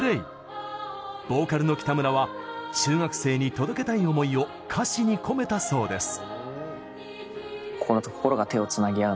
ボーカルの北村は中学生に届けたい思いを歌詞に込めたそうです。